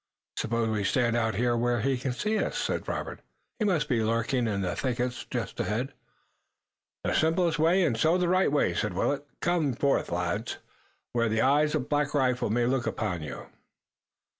"Suppose we stand out here where he can see us," said Robert. "He must be lurking in the thickets just ahead." "The simplest way and so the right way," said Willet. "Come forth, you lads, where the eyes of Black Rifle may look upon you."